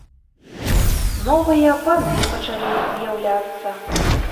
Новыя паны пачалі з'яўляцца.